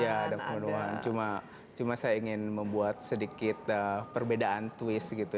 iya ada pembunuhan cuma saya ingin membuat sedikit perbedaan twist gitu